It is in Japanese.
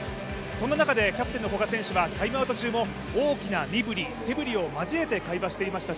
そんな中でキャプテンの古賀選手はタイムアウト中も大きな身振り手振りを交えて会話していました